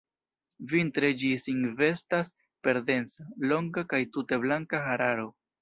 Vintre ĝi sin vestas per densa, longa kaj tute blanka hararo.